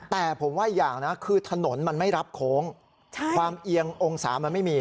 แต่ผมว่าอีกอย่างนะคือถนนมันไม่รับโค้งความเอียงองศามันไม่มี